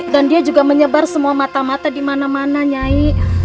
dan dia juga menyebar semua mata mata dimana mana nyai